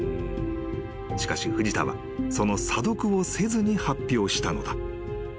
［しかし藤田はその査読をせずに発表したのだ］